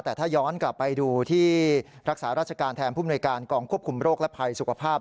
แต่ถ้าย้อนกลับไปดูที่รักษาราชการแทนผู้มนวยการกองควบคุมโรคและภัยสุขภาพ